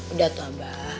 udah tuh abah